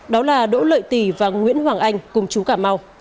đó là đỗ lợi tỷ và nguyễn hoàng anh cùng chú cà mau